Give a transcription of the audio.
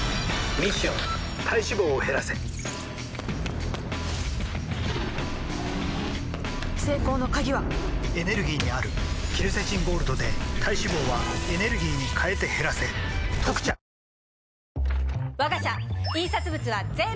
ミッション体脂肪を減らせ成功の鍵はエネルギーにあるケルセチンゴールドで体脂肪はエネルギーに変えて減らせ「特茶」「オールフリー」